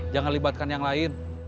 jangan libatkan yang lain